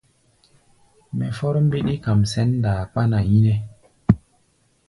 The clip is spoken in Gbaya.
Mɛ fɔ́r mbíɗí kam sɛ̌n ndaa kpána yínɛ́.